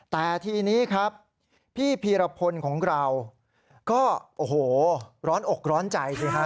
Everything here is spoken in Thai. แต่ทีนี้ครับพี่พีรพลของเราก็โอ้โหร้อนอกร้อนใจสิฮะ